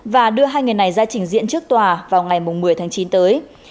và đưa hai người này ra trình diễn trước tòa vào ngày một mươi tháng chín tới